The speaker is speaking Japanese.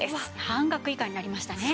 半額以下になりましたね。